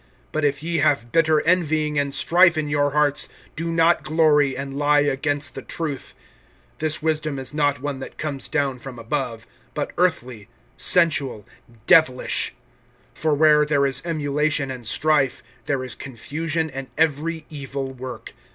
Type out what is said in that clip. (14)But if ye have bitter envying and strife in your hearts, do not glory, and lie against the truth. (15)This wisdom is not one that comes down from above, but earthly, sensual[3:16], devilish. (16)For where there is emulation and strife, there is confusion and every evil work.